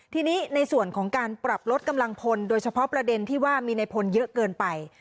ทีนี้ในส่วนของการปรับลดกำลังพลโดยเฉพาะประเด็นที่ว่ามีในพลเยอะเกินไป